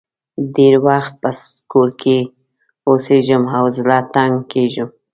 ډېری وخت په کور کې اوسېږم او زړه تنګ کېږم.